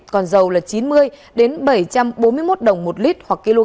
còn dầu là chín mươi đồng đến bảy trăm tám mươi đồng một lít